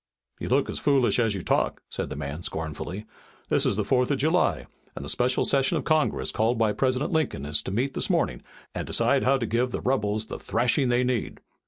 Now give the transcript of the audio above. "You look as foolish as you talk," said the man scornfully. "This is the Fourth of July, and the special session of Congress called by President Lincoln is to meet this morning and decide how to give the rebels the thrashing they need."